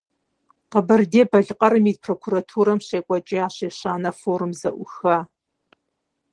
Къэбэрдей-Балъкъэрым и Прокуратурэм щекӀуэкӀащ ещанэ форум зэӀуха.